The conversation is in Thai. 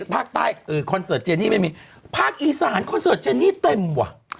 ภาคใต้คอนเสิร์ตเจนี่ไม่มีภาคอีสานคอนเสิร์ตเจนี่เต็มว่ะ